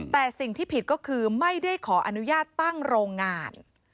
แต่สิ่งที่ผิดก็คือไม่ได้ขออนุญาตตั้งโรงงาน